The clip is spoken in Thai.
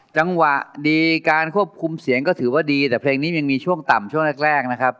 จังหวะดีการควบคุมเสียงก็ถือว่าดีแต่เพลงนี้ยังมีช่วงต่ำช่วงแรกนะครับ